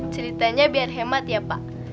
ceritanya biar hemat ya pak